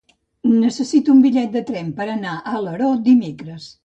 Necessito un bitllet de tren per anar a Alaró dimecres.